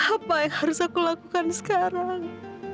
apa yang harus aku lakukan sekarang